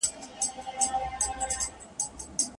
یوه ورخ توتکۍ والوته دباندي